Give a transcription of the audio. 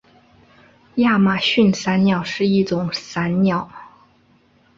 亚马逊伞鸟是一种伞鸟。